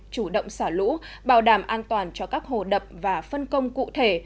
chủ động xả lũ bảo đảm an toàn cho các hồ đập và phân công cụ thể